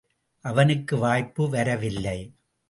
அவனுக்கு வாய்ப்பு வரவில்லை.